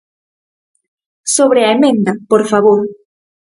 Sobre a emenda, por favor.